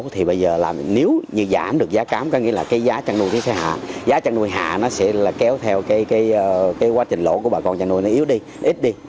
thì bây giờ nếu giảm được giá cám giá chăn nuôi sẽ hạ giá chăn nuôi hạ sẽ kéo theo quá trình lỗ của bà con chăn nuôi yếu đi ít đi